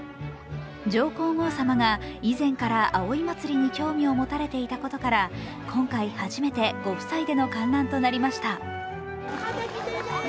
上皇后さまが以前から葵祭に興味を持たれていたことから今回、初めてご夫妻での観覧となりました。